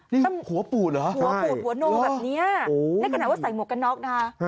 นี่หัวปูดเหรอหัวโน่แบบเนี่ยในกระหน่าว่าใส่หมวกกันน็อกนะฮะ